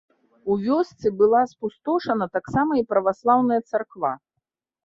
У вёсцы была спустошана таксама і праваслаўная царква.